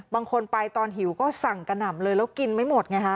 บางคนไปตอนหิวก็สั่งกระหน่ำเลยแล้วกินไม่หมดไงฮะ